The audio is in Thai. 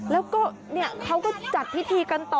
แล้วก็เขาก็จัดพิธีกันต่อ